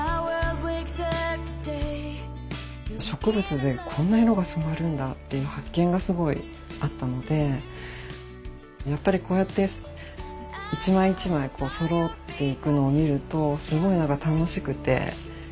植物でこんな色が染まるんだっていう発見がすごいあったのでやっぱりこうやって一枚一枚こうそろっていくのを見るとすごいなんか楽しくて。